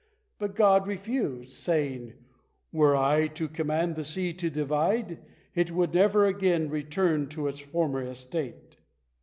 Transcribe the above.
But God refused, saying: "Were I to command the sea to divide, it would never again return to its former estate.